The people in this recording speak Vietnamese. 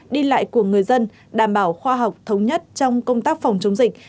đi lại của người dân đảm bảo khoa học thống nhất trong công tác phòng chống dịch